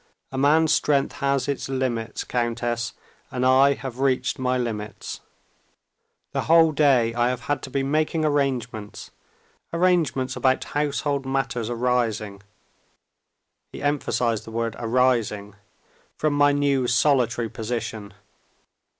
"A man's strength has its limits, countess, and I have reached my limits. The whole day I have had to be making arrangements, arrangements about household matters arising" (he emphasized the word arising) "from my new, solitary position.